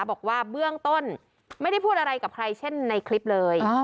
บอกว่าเบื้องต้นไม่ได้พูดอะไรกับใครเช่นในคลิปเลย